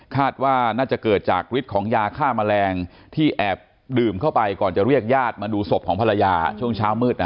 คาดว่าน่าจะเกิดจากฤทธิ์ของยาฆ่าแมลงที่แอบดื่มเข้าไปก่อนจะเรียกญาติมาดูศพของภรรยาช่วงเช้ามืดนะ